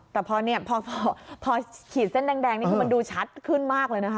แต่พอขีดเส้นแดงนี่คือมันดูชัดขึ้นมากเลยนะคะ